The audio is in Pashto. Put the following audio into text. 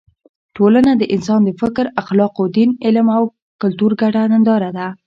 ټولنه د انسان د فکر، اخلاقو، دین، علم او کلتور ګډه ننداره ده.